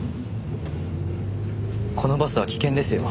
このバスは危険ですよ。